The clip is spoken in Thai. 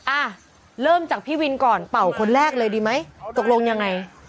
อ่ะเริ่มจากพี่วินก่อนเป่าคนแรกเลยดีไหมตกลงยังไง